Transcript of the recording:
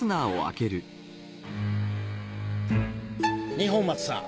二本松さん